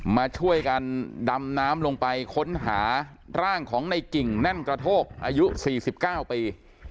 มาช่วยกันดำน้ำลงไปค้นหาร่างของในกิ่งแน่นกระโทกอายุ๔๙ปี